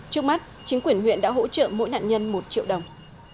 trước mắt chính quyền huyện đã hỗ trợ mỗi nạn nhân một triệu đồng